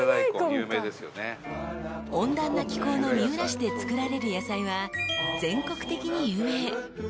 ［温暖な気候の三浦市で作られる野菜は全国的に有名］